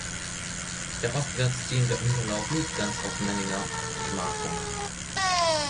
Der ostwärts ziehende Unterlauf liegt ganz auf Menninger Gemarkung.